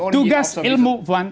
tugas ilmu wan